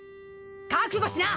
覚悟しな！